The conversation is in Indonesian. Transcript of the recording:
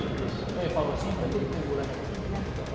itu evaluasi atau itu bulanan